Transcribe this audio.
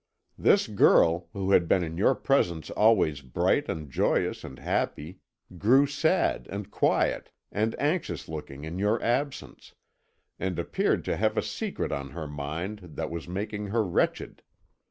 "This girl, who had been in your presence always bright and joyous and happy, grew sad and quiet and anxious looking in your absence, and appeared to have a secret on her mind that was making her wretched.